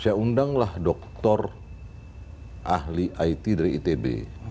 saya undanglah dokter ahli it dari itb